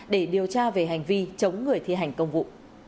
để điều tra về hành vi chống người thi hành công vụ